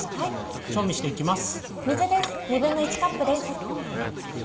調味していきます。